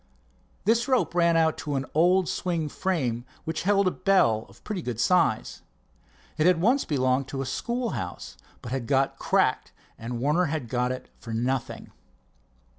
This rope ran out to an old swing frame which held a bell of pretty good size. It had once belonged to a school house, but had got cracked, and Warner had got it for nothing.